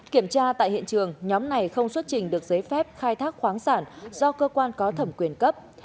kiểm tra tại hiện trường nhóm này không xuất trình được giấy phép khai thác khoáng sản do cơ quan có thẩm quyền cấp